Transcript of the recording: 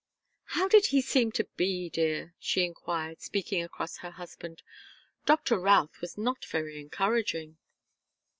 "How did he seem to be, dear?" she enquired, speaking across her husband. "Doctor Routh was not very encouraging."